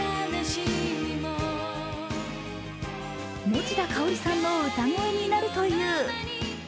持田香織さんの歌声になるという。